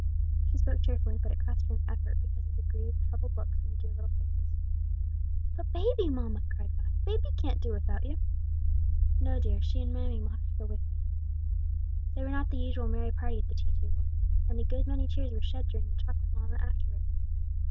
She spoke cheerfully, but it cost her an effort because of the grieved, troubled looks on the dear little faces. "But baby, mamma!" cried Vi, "baby can't do without you!" "No, dear, she and mammy will have to go with me." They were not the usual merry party at the tea table, and a good many tears were shed during the talk with mamma afterward.